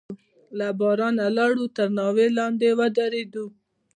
له بارانه لاړو، تر ناوې لاندې ودرېدو.